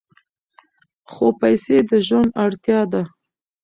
خو پیسې د ژوند اړتیا ده.